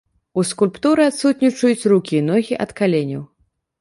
У скульптуры адсутнічаюць рукі і ногі ад каленяў.